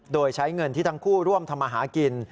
โดยใช้เงินที่ทั้งคู่ร่วมทำมาหากิน